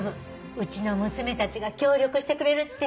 うちの娘たちが協力してくれるって。